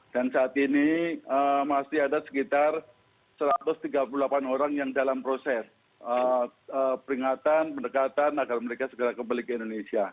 dan saat ini masih ada sekitar satu ratus tiga puluh delapan orang yang dalam proses peringatan pendekatan agar mereka segera kembali ke indonesia